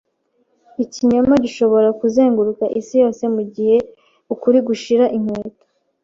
Ikinyoma gishobora kuzenguruka isi yose mugihe ukuri gushira inkweto.